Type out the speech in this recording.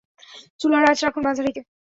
চুলার আঁচ রাখুন মাঝারিতে।